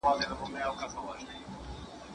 د مطالعې لپاره وخت ټاکل ډېر مهم دي.